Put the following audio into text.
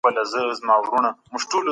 هر څوک بايد په سياست کي خپل ځای وپېژني.